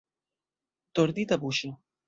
Tordita buŝo.